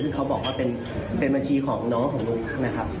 เขาบอกว่าเป็นบัญชีของน้องของนุ๊กนะครับ